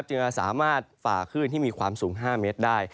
จะสามารถฝ่าคลื่นที่มีความสูง๕เมตรได้